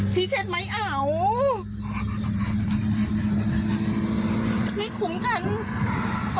พี่เชฟมายัว